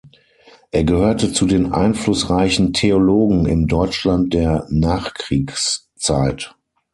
Er gehörte zu den einflussreichen Theologen im Deutschland der Nachkriegszeit.